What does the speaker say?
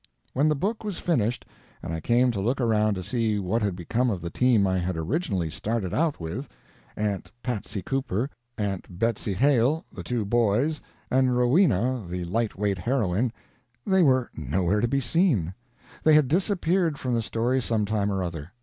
When the book was finished and I came to look around to see what had become of the team I had originally started out with Aunt Patsy Cooper, Aunt Betsy Hale, the two boys, and Rowena the light weight heroine they were nowhere to be seen; they had disappeared from the story some time or other.